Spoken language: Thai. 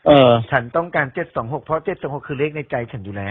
เออฉันต้องการเจ็ดสองหกเพราะเจ็ดสองหกคือเลขในใจฉันอยู่แล้ว